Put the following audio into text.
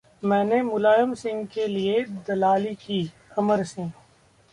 मैंने मुलायम सिंह के लिए दलाली की: अमर सिंह